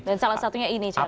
dan salah satunya ini caranya